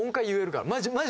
マジ！